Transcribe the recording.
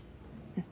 うん。